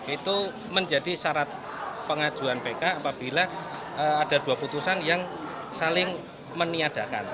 itu menjadi syarat pengajuan pk apabila ada dua putusan yang saling meniadakan